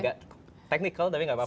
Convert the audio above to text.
agak technical tapi gak apa apa